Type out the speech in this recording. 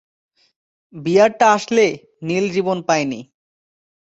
বিয়ারটা আসলে নীল রিবন পায়নি।